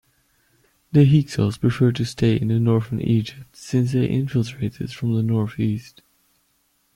The Hyksos preferred to stay in northern Egypt since they infiltrated from the north-east.